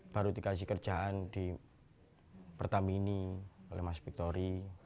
baru dikasih kerjaan di pertamini oleh mas victori